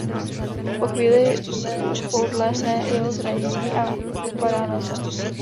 Po chvíli podlehne jeho zranění a upadá na zem.